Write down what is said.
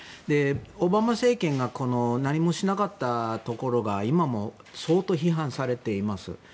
オバマ政権が何もしなかったところが今も相当、批判されています。